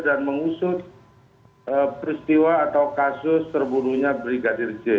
dan mengusut peristiwa atau kasus terbunuhnya brigadir j